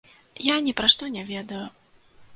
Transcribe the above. Я ні пра што не ведаю.